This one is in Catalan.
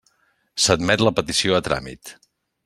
S'admet la petició a tràmit.